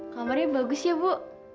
kamarnya bagus ya bu